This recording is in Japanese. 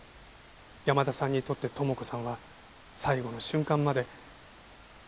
山田さんにとって友子さんは最後の瞬間まで家族だったんです。